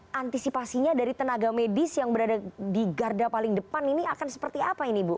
nah antisipasinya dari tenaga medis yang berada di garda paling depan ini akan seperti apa ini bu